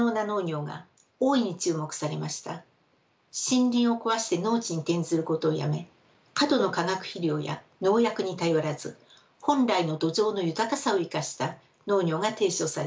森林を壊して農地に転ずることをやめ過度の化学肥料や農薬に頼らず本来の土壌の豊かさを生かした農業が提唱されています。